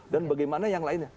dan bagaimana yang lainnya